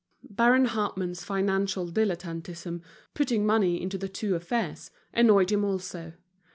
Baron Hartmann's financial dilettantism, putting money into the two affairs, annoyed him also.